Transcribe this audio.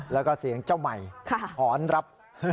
แล้วก็เสียงเจ้าใหม่หอนรับ